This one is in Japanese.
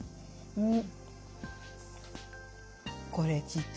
うん。